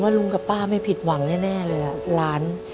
ผมว่าลุงกับป้าไม่ผิดหวังแน่เลยล้าน